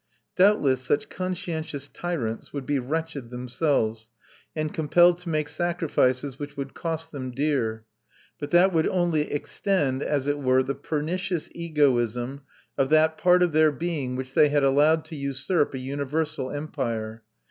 Doubtless such conscientious tyrants would be wretched themselves, and compelled to make sacrifices which would cost them dear; but that would only extend, as it were, the pernicious egoism of that part of their being which they had allowed to usurp a universal empire.